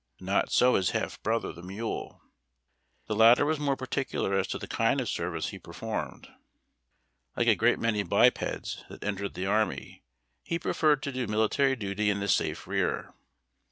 Not so his half brother the mule. The latter was more particular as to the kind of service he performed. A MULE EATING AN OVERCOAT. Like a great many bipeds that entered the army, he preferred to do military duty in the safe rear.